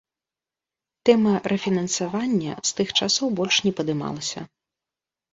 Тэма рэфінансавання з тых часоў больш не падымалася.